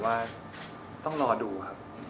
เราก็ต้องดูต่อไปครับ